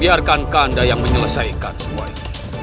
biarkan kanda yang menyelesaikan semuanya